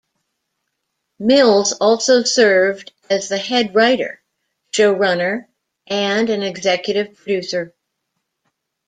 Mills also served as the head writer, show runner and an executive producer.